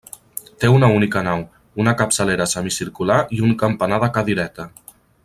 Té una única nau, una capçalera semicircular i un campanar de cadireta.